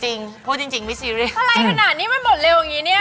พูดจริงไม่ซีเรียสอะไรขนาดนี้มันหมดเร็วอย่างนี้เนี่ย